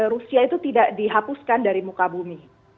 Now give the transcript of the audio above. rusia itu tidak dihapuskan dari muka bumi